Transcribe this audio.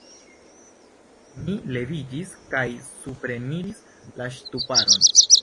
Mi leviĝis kaj supreniris la ŝtuparon.